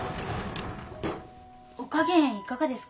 お加減いかがですか？